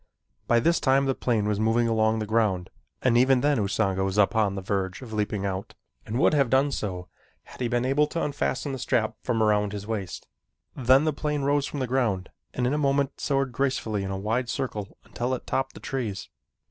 By this time the plane was moving along the ground and even then Usanga was upon the verge of leaping out, and would have done so had he been able to unfasten the strap from about his waist. Then the plane rose from the ground and in a moment soared gracefully in a wide circle until it topped the trees.